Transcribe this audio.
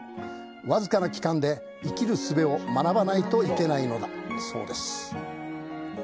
僅かな期間で生きるすべを学ばないといけないのだそうです。